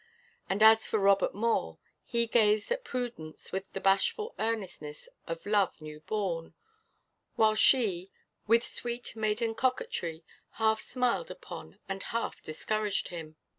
And as for Robert Moore, he gazed at Prudence with the bashful earnestness of love new born, while she, with sweet maiden coquetry, half smiled upon and half discouraged him.